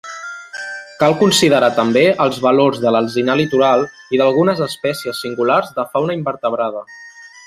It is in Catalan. Cal considerar també els valors de l’alzinar litoral i d’algunes espècies singulars de fauna invertebrada.